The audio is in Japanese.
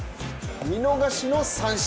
見逃しの三振。